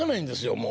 もう。